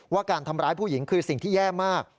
ว่าการทำร้ายผู้หญิงคือสิ่งที่แย่มาก